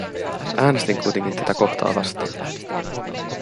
Äänestin kuitenkin tätä kohtaa vastaan.